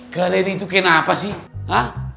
kalian itu kenapa sih